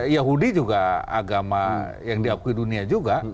yahudi juga agama yang diakui dunia juga